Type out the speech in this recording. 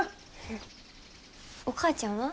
お母ちゃんは？